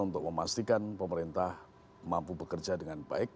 untuk memastikan pemerintah mampu bekerja dengan baik